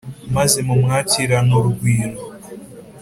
maze mumwakirane n'urugwiro